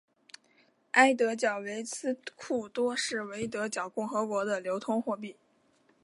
维德角埃斯库多是维德角共和国的流通货币。